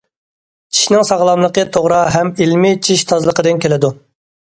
چىشنىڭ ساغلاملىقى توغرا ھەم ئىلمىي چىش تازىلىقىدىن كېلىدۇ.